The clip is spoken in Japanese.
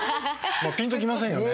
もうピンときませんよね。